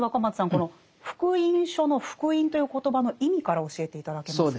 この「福音書」の「福音」という言葉の意味から教えて頂けますか？